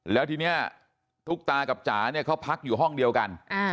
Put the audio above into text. แล้วทีนี้ตุ๊กตากับจ๋าเนี่ยเขาพักอยู่ห้องเดียวกัน